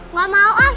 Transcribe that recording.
nggak mau ah